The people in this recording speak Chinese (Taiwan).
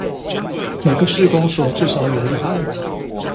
每個市公所至少有一台